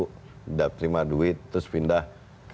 tidak terima duit terus pindah